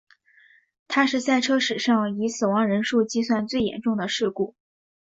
它是赛车史上以死亡人数计算最严重的事故。